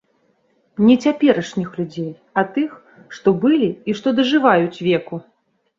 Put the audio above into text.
Не цяперашніх людзей, а тых, што былі і што дажываюць веку.